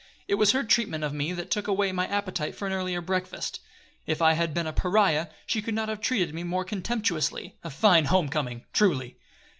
It was her treatment of me that took away my appetite for an earlier breakfast. If I had been a pariah, she could not have treated me more contemptuously. A fine home coming, truly!"